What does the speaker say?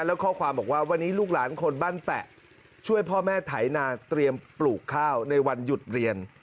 แล้วข้อความบอกว่าวันนี้ลูกหลานคนบ้านแปะช่วยพ่อแม่ไถนาเตรียมปลูกข้าวในวันหยุดเรียน